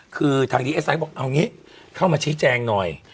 คือทางดีเอสไอก็บอกเอางี้เข้ามาชี้แจงหน่อย